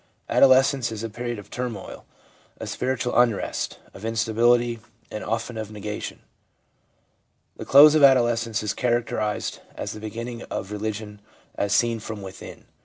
Adolescence is a period of turmoil, of spiritual unrest, of instability, and often of negation. The close of adolescence is characterised as the be ginning of religion as seen from within.